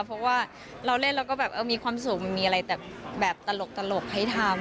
เพราะว่าเราเล่นแล้วก็แบบมีความสุขมันมีอะไรแต่แบบตลกให้ทำ